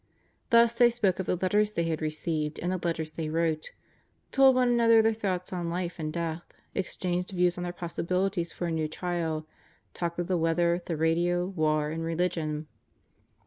Thus they spoke of the letters they had received and the letters they wrote; told one another their thoughts on life and death; exchanged views on their possibilities for a new trial; talked of the weather, the radio, war, and religion.